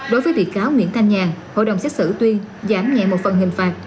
đối với bị cáo nguyễn thành nhàng hội đồng xét xử tuyên giảm nhẹ một phần hình phạt